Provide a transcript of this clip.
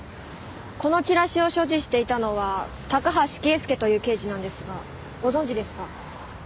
このチラシを所持していたのは高橋啓介という刑事なんですがご存じですか？